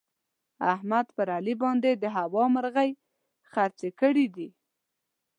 احمد پر علي باندې د هوا مرغۍ خرڅې کړې دي.